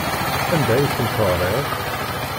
Anda ay ten-teɣriḍ?